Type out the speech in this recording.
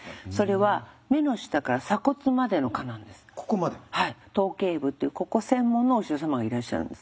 はい頭頸部っていうここ専門のお医者様がいらっしゃるんです。